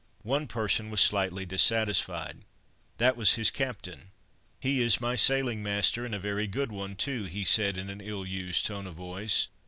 One person was slightly dissatisfied. That was his captain. "He is my sailing master, and a very good one, too," he said, in an ill used tone of voice.